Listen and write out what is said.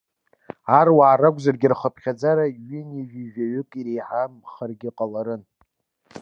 Аруаа ракәзаргьы рхыԥхьаӡара ҩынҩажәижәаҩык иреиҳамхаргьы ҟаларын.